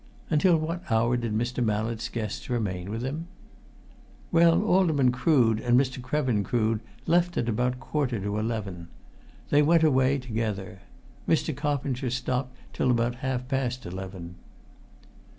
"Until what hour did Mr. Mallett's guests remain with him?" "Well, Alderman Crood and Mr. Krevin Crood left at about a quarter to eleven. They went away together. Mr. Coppinger stopped till about half past eleven."